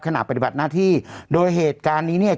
ขณะปฏิบัติหน้าที่โดยเหตุการณ์นี้เนี่ย